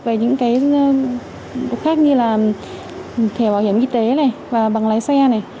về những cái khác như là thẻ bảo hiểm y tế này và bằng lái xe này